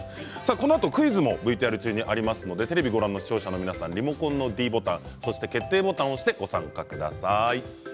このあとクイズもＶＴＲ中にありますので視聴者の皆さんリモコンのｄボタン、決定ボタンを押してご参加ください。